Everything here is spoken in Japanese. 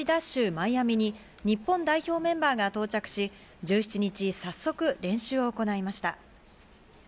マイアミに日本代表メンバーが到着し、１７日、早速練習を行いました。